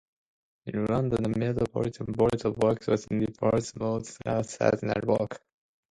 In London, the Metropolitan Board of Works was responsible for sanitary work.